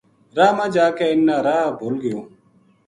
راہ ما جا کے اِنھ نا راہ بھُل گیو